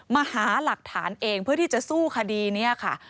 มาหาหลักฐานเองเพื่อที่จะสู้คดีนี้ค่ะ